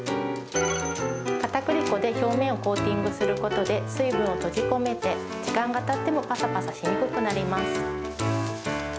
かたくり粉で表面をコーティングすることで、水分を閉じ込めて、時間がたってもぱさぱさしにくくなります。